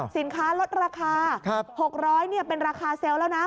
สินค้าลดราคา๖๐๐เป็นราคาเซลล์แล้วนะ